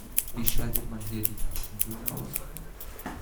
Wie schaltet man hier die Tastentöne aus?